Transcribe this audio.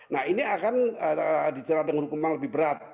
nah ini akan dijerat dengan hukuman lebih berat